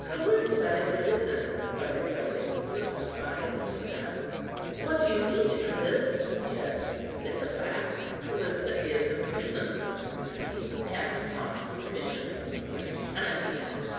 "Callista in prison!" cried Agellius with surprise and distress, "what do you mean, Jucundus?" "Yes, it's a fact; Callista is in prison," answered he, "and on suspicion of Christianity."